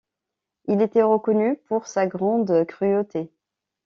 Il était reconnu pour sa grande cruauté.